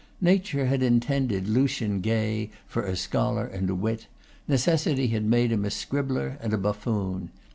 Nature had intended Lucian Gay for a scholar and a wit; necessity had made him a scribbler and a buffoon.